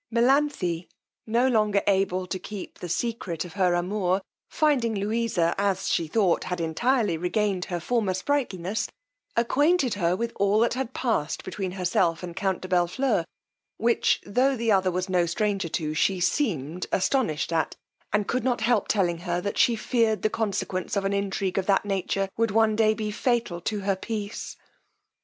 Melanthe, no longer able to keep the secret of her amour, finding Louisa, as she thought, had entirely regained her former sprightliness, acquainted her with all had passed between herself and count de Bellfleur; which, tho' the other was no stranger to, she seemed astonished at, and could not help telling her, that she feared the consequence of an intrigue of that nature would one day be fatal to her peace.